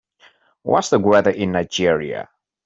What's the weather in Nigeria?